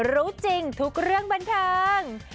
รู้จริงทุกเรื่องบันเทิง